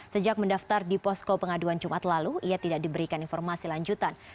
sejak mendaftar di posko pengaduan jumat lalu ia tidak diberikan informasi lanjutan